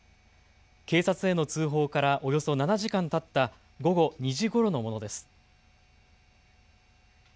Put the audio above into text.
警察への通報から、およそ７時間たった午後２時ごろのものです。